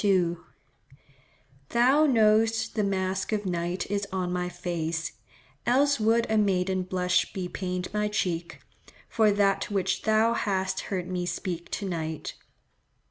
2):— "Thou know'st the mask of night is on my face; Else would a maiden blush bepaint my cheek, For that which thou hast heard me speak to night."